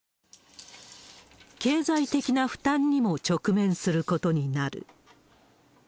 経済的な負担にも直面することになる。